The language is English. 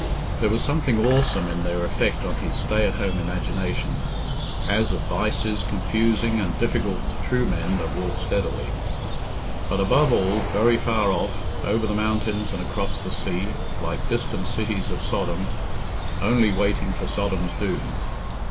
There was something awesome in their effect on his stay at home imagination, as of vices confusing and difficult to true men that walk steadily; but, above all, very far off, over the mountains and across the sea, like distant cities of Sodom, only waiting for Sodom's doom.